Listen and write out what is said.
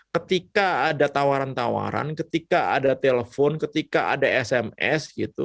ketika ada tawaran tawaran ketika ada telepon ketika ada sms gitu